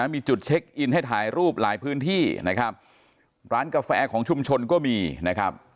มีจุดเช็คอินให้ถ่ายรูปหลายพื้นที่นะครับร้านกาแฟของชุมชนก็มีนะครับ